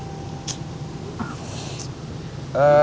tujuan mereka kalo gitu apa